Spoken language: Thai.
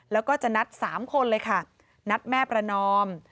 แล้วก็จะนัด๓คนเลยค่ะนัดแม่ประนอม